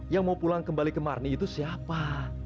yang mau pulang kembali ke marni itu siapa